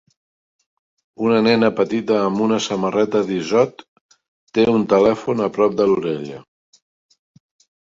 Una nena petita amb una samarreta d'Izod té un telèfon a prop de l'orella.